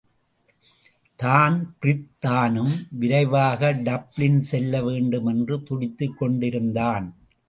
தான்பிரீன்தானும் விரைவாக டப்ளின் செல்ல வேண்டும் என்று துடித்துக் கொண்டிருந்தான்.